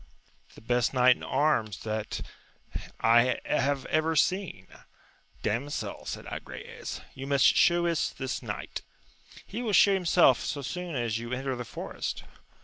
The best knight in arms that I have ever seen. Dam sel, said Agrayes, you must shew us this knight. — He will shew himself so soon as you enter the forest.